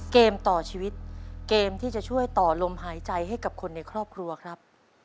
เกมต่อชีวิตเกมที่จะช่วยต่อลมหายใจให้กับคนในครอบครัวครับ